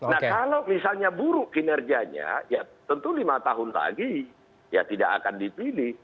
nah kalau misalnya buruk kinerjanya ya tentu lima tahun lagi ya tidak akan dipilih